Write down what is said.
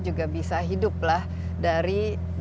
juga bisa hiduplah dari